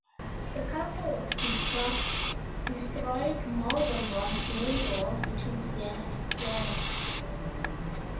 The castle was destroyed more than once during the wars between Siena and Florence.